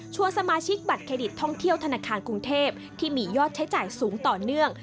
สมาชิกบัตรเครดิตท่องเที่ยวธนาคารกรุงเทพที่มียอดใช้จ่ายสูงต่อเนื่อง